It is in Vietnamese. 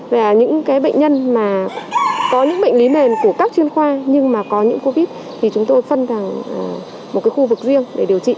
và những bệnh nhân mà có những bệnh lý nền của các chuyên khoa nhưng mà có những covid thì chúng tôi phân thành một khu vực riêng để điều trị